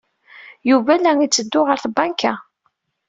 Yuba la itteddu ɣer tbanka.